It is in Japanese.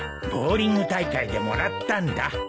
ボウリング大会でもらったんだ。